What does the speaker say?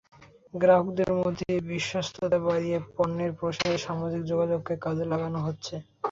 গ্রাহকদের মধ্যে বিশ্বস্ততা বাড়িয়ে পণ্যের প্রসারে সামাজিক যোগাযোগকে কাজে লাগানো হচ্ছে।